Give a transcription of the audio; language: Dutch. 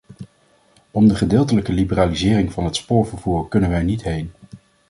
Om de gedeeltelijke liberalisering van het spoorvervoer kunnen wij niet heen.